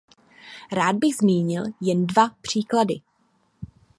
Rád bych zmínil jen dva příklady.